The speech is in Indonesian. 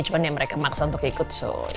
cuma ini yang mereka maksa untuk ikut